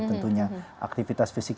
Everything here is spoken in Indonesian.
tentunya aktivitas fisik